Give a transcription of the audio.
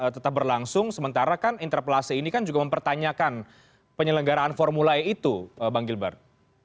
tetap berlangsung sementara kan interpelasi ini kan juga mempertanyakan penyelenggaraan formula e itu bang gilbert